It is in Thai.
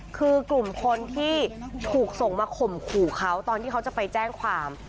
คือกลุ่มคนที่ถูกส่งมาข่มขู่เขาตอนที่เขาจะไปแจ้งความ